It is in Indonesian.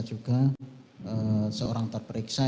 juga seorang terperiksa